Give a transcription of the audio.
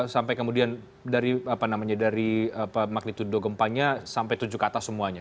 sampai kemudian dari magnitudo gempanya sampai tujuh ke atas semuanya